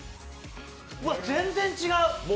うわ、全然違う。